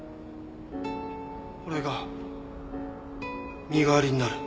俺が身代わりになる。